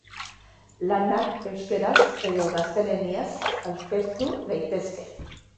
Lanak euskaraz edo gaztelaniaz aurkeztu daitezke.